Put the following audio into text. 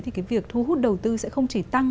thì cái việc thu hút đầu tư sẽ không chỉ tăng